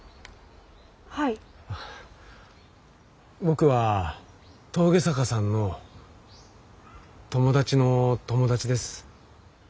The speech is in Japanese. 僕は峠坂さんの友達の友達です。